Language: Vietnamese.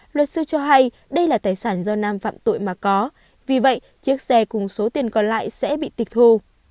luật sư cho hay đây là tài sản do nam phạm tội mà có vì vậy chiếc xe cùng số tiền còn lại sẽ bị tịch thu